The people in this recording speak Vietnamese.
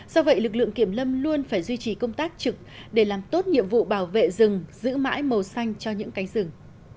do vậy lực lượng kiểm lâm luôn phải duy trì công tác trực để làm tốt nhiệm vụ bảo vệ rừng giữ mãi màu xanh cho những cánh rừng